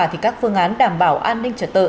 thì các phương án đảm bảo an ninh trật tự